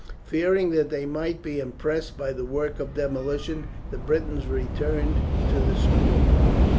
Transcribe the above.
Fearing that they might be impressed for the work of demolition, the Britons returned to the school.